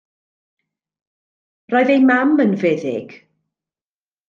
Roedd ei mam yn feddyg.